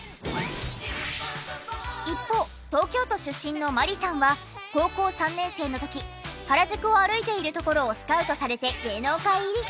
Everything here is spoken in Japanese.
一方東京都出身の万里さんは高校３年生の時原宿を歩いているところをスカウトされて芸能界入り。